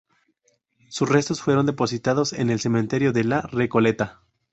Sus restos fueron depositados en el Cementerio de la Recoleta.